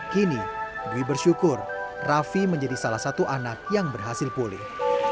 kini dwi bersyukur raffi menjadi salah satu anak yang berhasil pulih